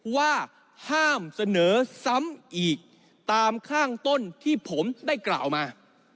ว่าห้ามเสนอซ้ำอีกตามข้างต้นที่ผมได้กล่าวมา